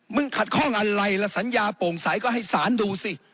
มึงขัดข้องอะไรล่ะสัญญาโป่งสายก็ให้ศาลดูสิ